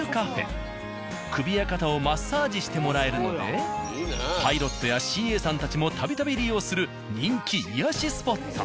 首や肩をマッサージしてもらえるのでパイロットやＣＡさんたちも度々利用する人気癒やしスポット。